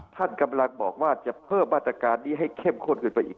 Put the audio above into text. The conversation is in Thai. ท่านกำลังบอกว่าจะเพิ่มมาตรการนี้ให้เข้มข้นขึ้นไปอีก